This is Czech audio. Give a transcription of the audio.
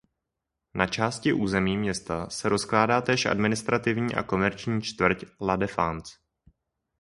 Na části území města se rozkládá též administrativní a komerční čtvrť La Défense.